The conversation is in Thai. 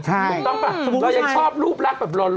เรายังชอบรูปลักษณ์แบบลอน